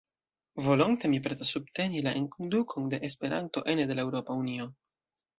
Volonte mi pretas subteni la enkondukon de Esperanto ene de la Eŭropa Unio.